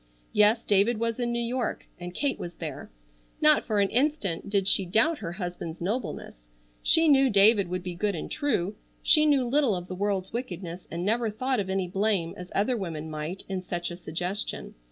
Yes, David was in New York, and Kate was there. Not for an instant did she doubt her husband's nobleness. She knew David would be good and true. She knew little of the world's wickedness, and never thought of any blame, as other women might, in such a suggestion.